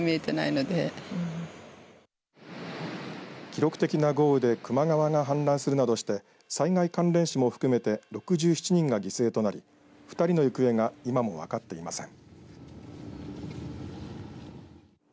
記録的な豪雨で球磨川が氾濫するなどして災害関連死も含めて６７人が犠牲となり２人の行方が今も分かっていません。